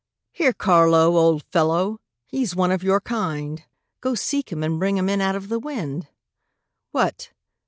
Here, Carlo, old fellow, he's one of your kind, Go, seek him, and bring him in out of the wind. What!